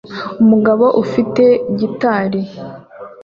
Umugabo ufite gitari